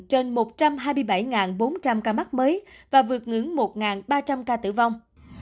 trên một trăm hai mươi bảy bốn trăm linh ca mắc mới và vượt ngưỡng một ba trăm linh ca tử vong